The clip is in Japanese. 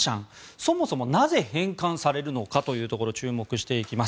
そもそもなぜ返還されるのかというところ注目していきます。